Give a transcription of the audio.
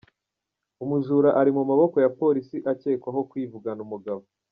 Umujura Ari mu maboko ya Polisi akekwaho kwivugana umugabo